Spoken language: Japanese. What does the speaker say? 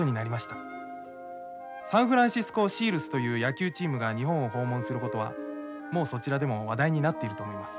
サンフランシスコ・シールスというやきゅうチームが日本をほうもんする事はもうそちらでも話だいになっていると思います。